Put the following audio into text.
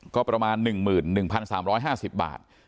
ก็ประมาณ๑๑๓๕๐บาท